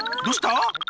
どうした？］